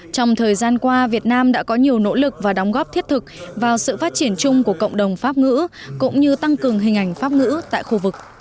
trong thời gian qua việt nam đã có nhiều nỗ lực và đóng góp thiết thực vào sự phát triển chung của cộng đồng pháp ngữ cũng như tăng cường hình ảnh pháp ngữ tại khu vực